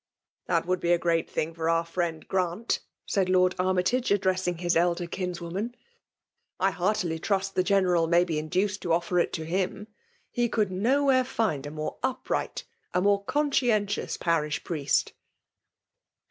'^That would be a great thing for our Mend* Orant,'* said Lord Armytage, addressing his elder hini^woman. '^ I heartily trust the General may be induced to offer it to hiiA. He could nowhere find a more upright, » more conscientious parish priei^t.